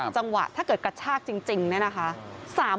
จังหวะถ้าเกิดกระชากจริงนี่นะคะ